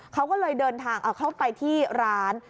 เขาก็เลยเดินทางเข้าไปที่ร้าน